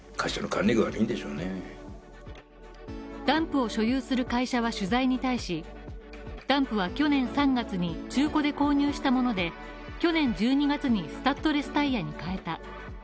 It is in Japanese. ダンプを所有する会社は取材に対し、ダンプは去年３月に中古で購入したもので、去年１２月にスタッドレスタイヤに替えた。